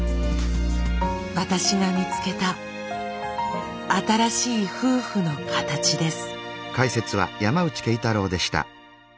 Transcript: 私が見つけた新しい夫婦の形です。